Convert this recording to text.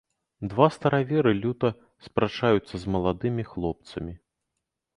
Два стараверы люта спрачаюцца з маладымі хлопцамі.